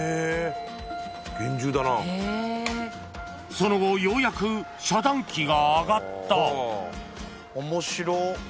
［その後ようやく遮断機が上がった］